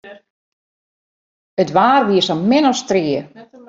It waar wie sa min as strie.